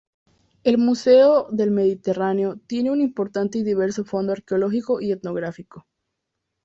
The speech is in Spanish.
El Museo del Mediterráneo tiene un importante y diverso fondo arqueológico y etnográfico.